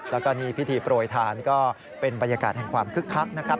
แล้วก็นี่พิธีโปรยทานก็เป็นบรรยากาศแห่งความคึกคักนะครับ